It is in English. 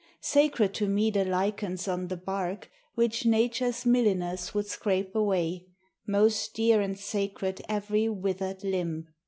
Sacred to me the lichens on the bark, Which Nature's milliners would scrape away ; Most dear and sacred every withered limb